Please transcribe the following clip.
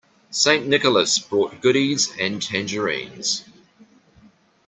St. Nicholas brought goodies and tangerines.